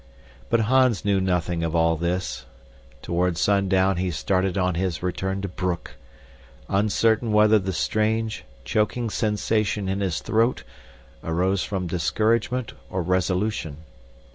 But Hans knew nothing of all this. Toward sundown he started on his return to Broek, uncertain whether the strange, choking sensation in his throat arose from discouragement or resolution.